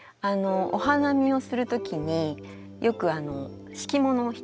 お花見をする時によく敷物をひきますよね。